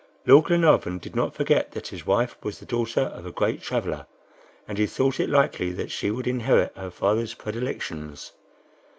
Lord Glenarvan did not forget that his wife was the daughter of a great traveler, and he thought it likely that she would inherit her father's predilections.